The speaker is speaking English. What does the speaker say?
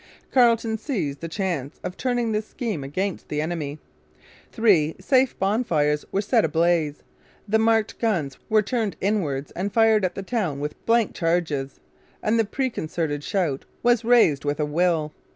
Carleton seized the chance of turning this scheme against the enemy. Three safe bonfires were set ablaze. The marked guns were turned inwards and fired at the town with blank charges. And the preconcerted shout was raised with a will.